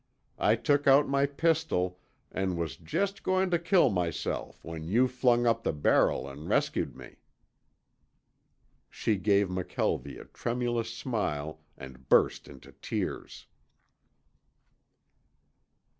I took out my pistol and was just going to kill myself when you flung up the barrel and rescued me." She gave McKelvie a tremulous smile and burst into tears.